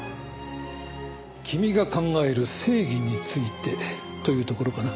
君が考える正義についてというところかな。